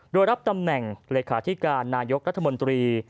โดยรับตำแหน่งเลขาธิการนายกรัฐมนตรี